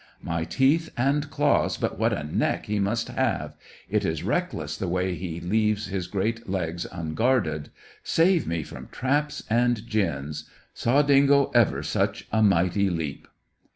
My teeth and claws! but what a neck he must have! It is reckless the way he leaves his great legs unguarded. Save me from traps and gins! Saw dingo ever such a mighty leap!"